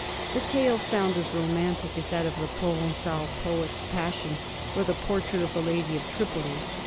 The tale sounds as romantic as that of the Provencal poet's passion for the portrait of the Lady of Tripoli.